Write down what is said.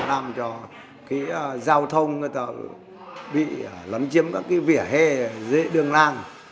làm cho cái giao thông người ta bị lấn chiếm các cái vỉa hê dưới đường làng